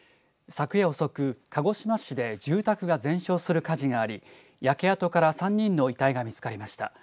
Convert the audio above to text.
昨夜遅く、鹿児島市で住宅が全焼する火事があり焼け跡から３人の遺体が見つかりました。